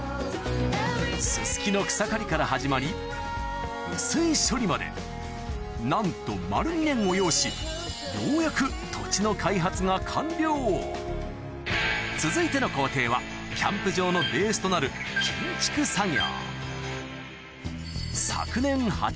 ススキの草刈りから始まり雨水処理までなんと続いての工程はキャンプ場のベースとなる建築作業